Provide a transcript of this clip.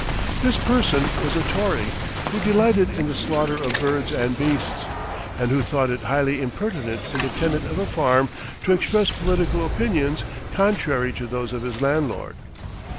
This person was a Tory, who delighted in the slaughter of birds and beasts, and who thought it highly impertinent in the tenant of a farm to express political opinions contrary to those of his landlord.